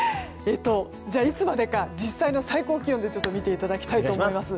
じゃあ、いつまでか実際の最高気温で見ていただきたいと思います。